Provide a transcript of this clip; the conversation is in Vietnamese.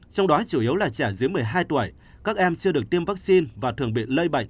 trong đó chủ yếu là trẻ dưới một mươi hai tuổi các em chưa được tiêm vaccine và thường bị lây bệnh